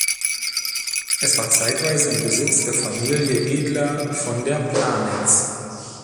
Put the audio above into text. Es war zeitweise im Besitz der Familie Edler von der Planitz.